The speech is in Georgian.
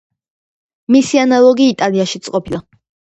მისი ანალოგი იტალიაშიც ყოფილა.